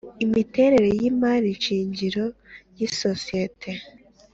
imiterere y’imari shingiro y’isosiyete;